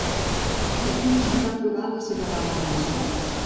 Fedric no va trobar la seva bala de la sort.